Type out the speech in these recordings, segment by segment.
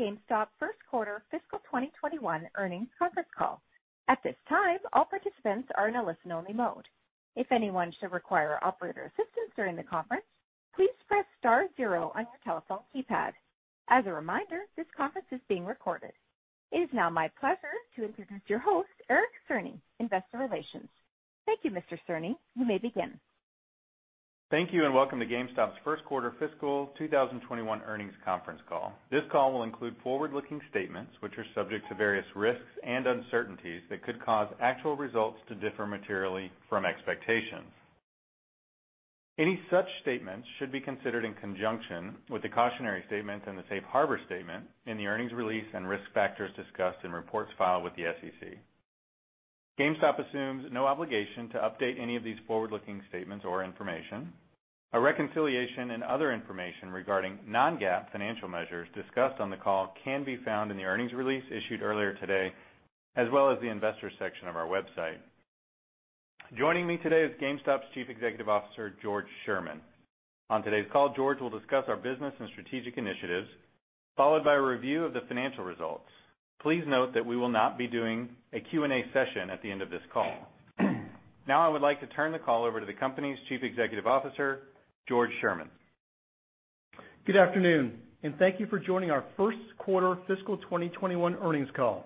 Greetings, welcome to the GameStop First Quarter Fiscal 2021 Earnings Conference Call. At this time, all participants are in a listen-only mode. If anyone should require operator assistance during the conference, please press star zero on your telephone keypad. As a reminder, this conference is being recorded. It is now my pleasure to introduce your host, Eric Cerny, Investor Relations. Thank you, Mr. Cerny. You may begin. Thank you. Welcome to GameStop's First Quarter Fiscal 2021 Earnings Conference Call. This call will include forward-looking statements, which are subject to various risks and uncertainties that could cause actual results to differ materially from expectations. Any such statements should be considered in conjunction with the cautionary statement and the safe harbor statement in the earnings release and risk factors discussed in reports filed with the SEC. GameStop assumes no obligation to update any of these forward-looking statements or information. A reconciliation and other information regarding non-GAAP financial measures discussed on the call can be found in the earnings release issued earlier today, as well as the investors section of our website. Joining me today is GameStop's Chief Executive Officer, George Sherman. On today's call, George will discuss our business and strategic initiatives, followed by a review of the financial results. Please note that we will not be doing a Q&A session at the end of this call. Now I would like to turn the call over to the company's Chief Executive Officer, George Sherman. Good afternoon, and thank you for joining our First Quarter Fiscal 2021 earnings call.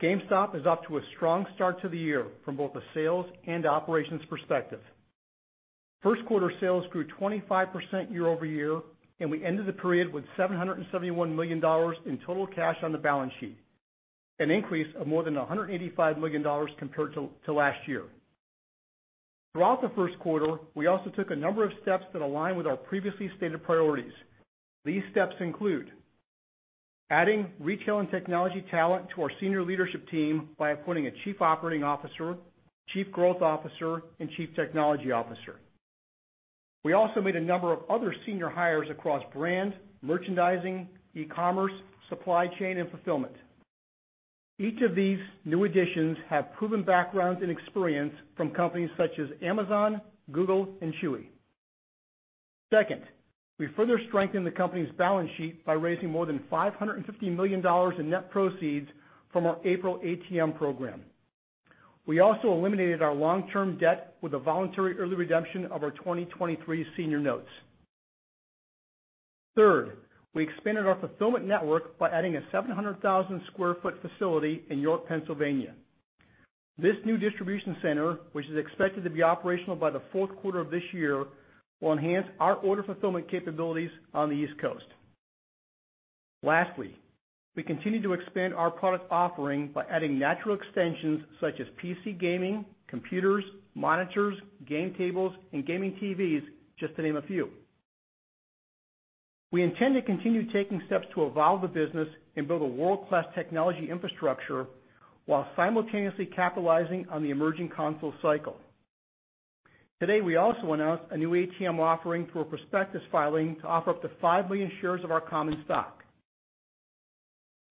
GameStop is off to a strong start to the year from both a sales and operations perspective. First Quarter sales grew 25% year-over-year, and we ended the period with $771 million in total cash on the balance sheet, an increase of more than $185 million compared to last year. Throughout the First Quarter, we also took a number of steps that align with our previously stated priorities. These steps include adding retail and technology talent to our senior leadership team by appointing a Chief Operating Officer, Chief Growth Officer, and Chief Technology Officer. We also made a number of other senior hires across brand, merchandising, e-commerce, supply chain, and fulfillment. Each of these new additions have proven backgrounds and experience from companies such as Amazon, Google, and Chewy. Second, we further strengthened the company's balance sheet by raising more than $550 million in net proceeds from our April ATM program. We also eliminated our long-term debt with a voluntary early redemption of our 2023 senior notes. Third, we expanded our fulfillment network by adding a 700,000 square foot facility in York, Pennsylvania. This new distribution center, which is expected to be operational by the fourth quarter of this year, will enhance our order fulfillment capabilities on the East Coast. Lastly, we continue to expand our product offering by adding natural extensions such as PC gaming, computers, monitors, game tables, and gaming TVs, just to name a few. We intend to continue taking steps to evolve the business and build a world-class technology infrastructure while simultaneously capitalizing on the emerging console cycle. Today, we also announced a new ATM offering through a prospectus filing to offer up to 5 million shares of our common stock.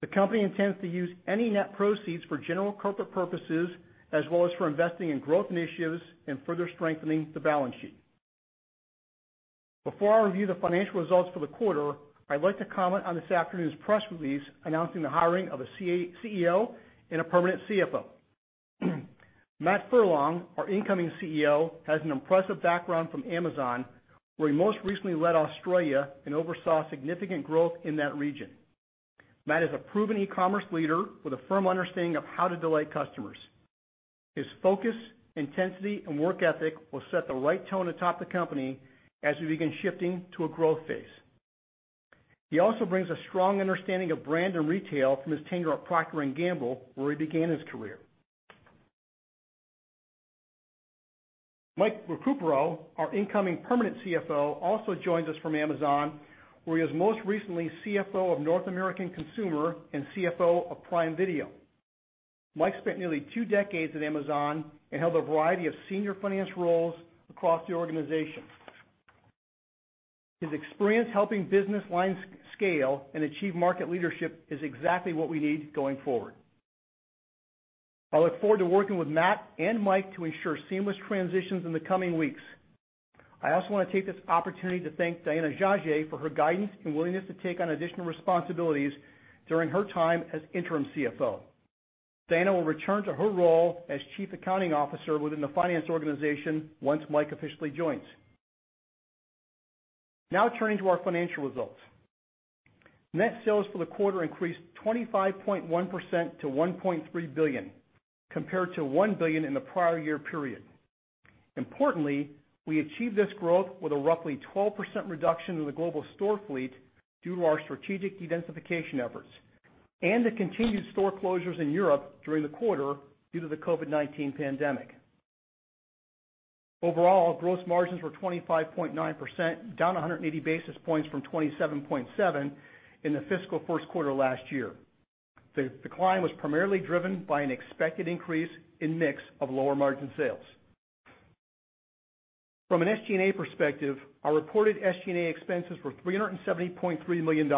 The company intends to use any net proceeds for general corporate purposes, as well as for investing in growth initiatives and further strengthening the balance sheet. Before I review the financial results for the quarter, I'd like to comment on this afternoon's press release announcing the hiring of a CEO and a permanent CFO. Matt Furlong, our incoming CEO, has an impressive background from Amazon, where he most recently led Australia and oversaw significant growth in that region. Matt is a proven e-commerce leader with a firm understanding of how to delight customers. His focus, intensity, and work ethic will set the right tone atop the company as we begin shifting to a growth phase. He also brings a strong understanding of brand and retail from his tenure at Procter & Gamble, where he began his career. Mike Recupero, our incoming permanent CFO, also joins us from Amazon, where he was most recently CFO of North American Consumer and CFO of Prime Video. Mike spent nearly two decades at Amazon and held a variety of senior finance roles across the organization. His experience helping business lines scale and achieve market leadership is exactly what we need going forward. I look forward to working with Matt and Mike to ensure seamless transitions in the coming weeks. I also want to take this opportunity to thank Diana Saadeh-Jajeh for her guidance and willingness to take on additional responsibilities during her time as interim CFO. Diana will return to her role as Chief Accounting Officer within the finance organization once Mike officially joins. Now turning to our financial results. Net sales for the quarter increased 25.1% to $1.3 billion, compared to $1 billion in the prior year period. Importantly, we achieved this growth with a roughly 12% reduction in the global store fleet due to our strategic identification efforts and the continued store closures in Europe during the quarter due to the COVID-19 pandemic. Overall, gross margins were 25.9%, down 180 basis points from 27.7% in the fiscal first quarter last year. The decline was primarily driven by an expected increase in mix of lower margin sales. From an SG&A perspective, our reported SG&A expenses were $370.3 million,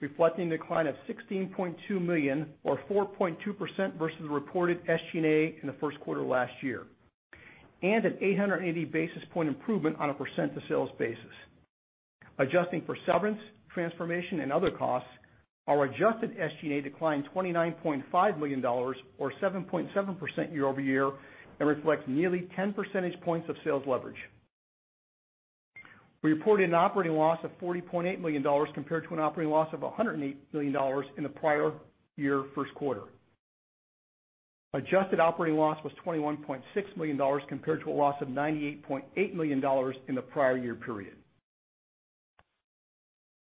reflecting a decline of $16.2 million or 4.2% versus reported SG&A in the first quarter last year. An 880 basis point improvement on a % to sales basis. Adjusting for severance, transformation, and other costs, our adjusted SG&A declined $29.5 million, or 7.7% year-over-year, and reflects nearly 10 percentage points of sales leverage. We reported an operating loss of $40.8 million, compared to an operating loss of $108 million in the prior year first quarter. Adjusted operating loss was $21.6 million, compared to a loss of $98.8 million in the prior year period.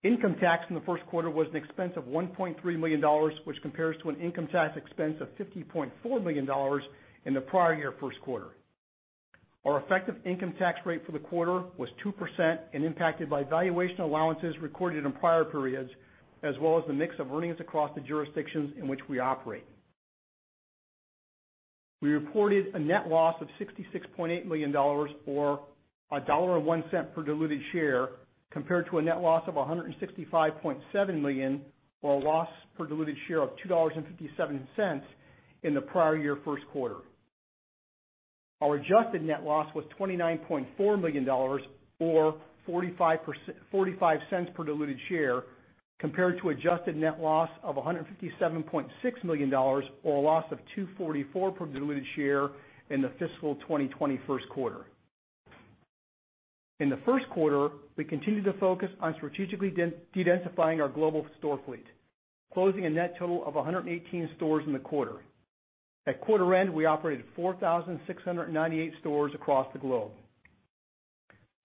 Income tax in the first quarter was an expense of $1.3 million, which compares to an income tax expense of $50.4 million in the prior year first quarter. Our effective income tax rate for the quarter was 2% and impacted by valuation allowances recorded in prior periods, as well as the mix of earnings across the jurisdictions in which we operate. We reported a net loss of $66.8 million, or $0.01 per diluted share, compared to a net loss of $165.7 million, or a loss per diluted share of $2.57 in the prior year first quarter. Our adjusted net loss was $29.4 million, or $0.45 per diluted share, compared to adjusted net loss of $157.6 million, or a loss of $2.44 per diluted share in the fiscal 2020 first quarter. In the first quarter, we continued to focus on strategically de-densifying our global store fleet, closing a net total of 118 stores in the quarter. At quarter end, we operated 4,698 stores across the globe.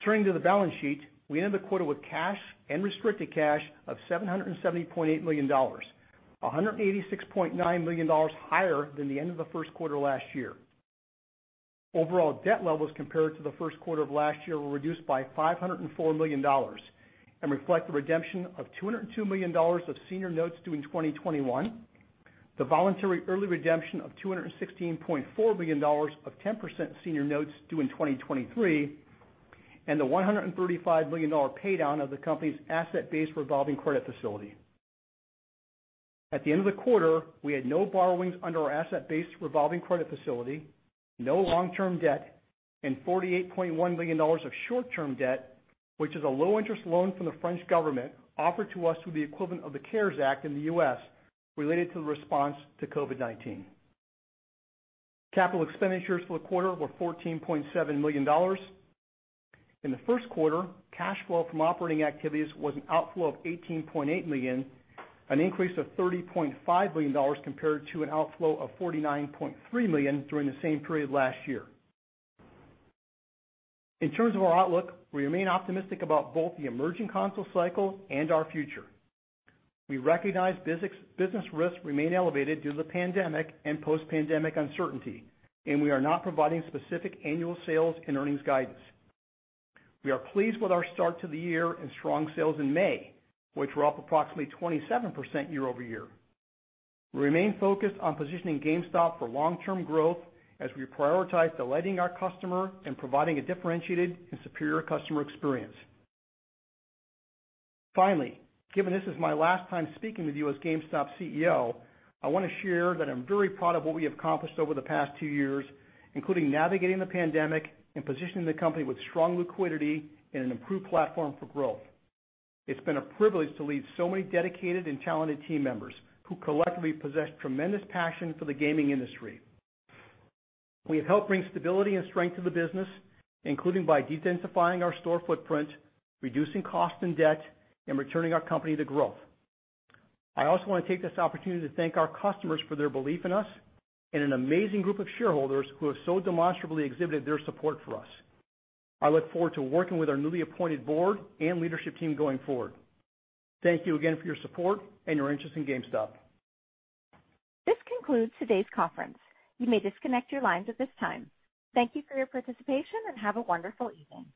Turning to the balance sheet, we ended the quarter with cash and restricted cash of $770.8 million, $186.9 million higher than the end of the first quarter last year. Overall debt levels compared to the first quarter of last year were reduced by $504 million and reflect the redemption of $202 million of senior notes due in 2021, the voluntary early redemption of $216.4 million of 10% senior notes due in 2023, and the $135 million paydown of the company's asset-based revolving credit facility. At the end of the quarter, we had no borrowings under our asset-based revolving credit facility, no long-term debt, and $48.1 million of short-term debt, which is a low-interest loan from the French government offered to us through the equivalent of the CARES Act in the U.S. related to the response to COVID-19. Capital expenditures for the quarter were $14.7 million. In the first quarter, cash flow from operating activities was an outflow of $18.8 million, an increase of $30.5 million compared to an outflow of $49.3 million during the same period last year. In terms of our outlook, we remain optimistic about both the emerging console cycle and our future. We recognize business risks remain elevated due to the pandemic and post-pandemic uncertainty, and we are not providing specific annual sales and earnings guidance. We are pleased with our start to the year and strong sales in May, which were up approximately 27% year-over-year. We remain focused on positioning GameStop for long-term growth as we prioritize delighting our customer and providing a differentiated and superior customer experience. Finally, given this is my last time speaking with you as GameStop's CEO, I want to share that I'm very proud of what we have accomplished over the past two years, including navigating the pandemic and positioning the company with strong liquidity and an improved platform for growth. It's been a privilege to lead so many dedicated and talented team members who collectively possess tremendous passion for the gaming industry. We have helped bring stability and strength to the business, including by de-densifying our store footprint, reducing cost and debt, and returning our company to growth. I also want to take this opportunity to thank our customers for their belief in us and an amazing group of shareholders who have so demonstrably exhibited their support for us. I look forward to working with our newly appointed board and leadership team going forward. Thank you again for your support and your interest in GameStop. This concludes today's conference. You may disconnect your lines at this time. Thank you for your participation, and have a wonderful evening.